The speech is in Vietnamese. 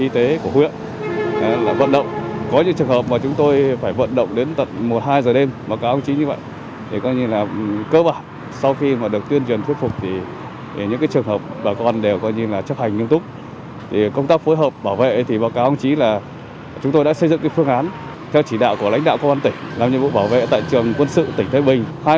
theo phối hợp bảo vệ thì báo cáo ông chí là chúng tôi đã xây dựng cái phương án theo chỉ đạo của lãnh đạo công an tỉnh làm nhiệm vụ bảo vệ tại trường quân sự tỉnh thái bình